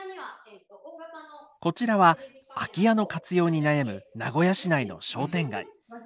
こちらは空き家の活用に悩む名古屋市内の商店街。